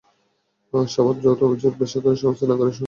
সভার যৌথ আয়োজক বেসরকারি সংস্থা নাগরিক সংহতি, অক্সফাম, সিএসআরএল এবং গ্রো।